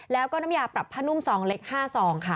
แล้วก็น้ำยาปรับผ้านุ่มซองเล็ก๕ซองค่ะ